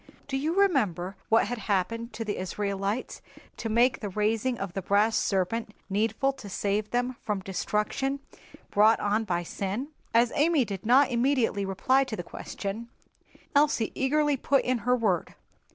"Do you remember what had happened to the Israelites to make the raising of the brass serpent needful to save them from destruction brought on by sin?" As Amy did not immediately reply to the question, Elsie eagerly put in her word.